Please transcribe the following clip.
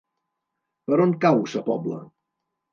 Per on cau Sa Pobla?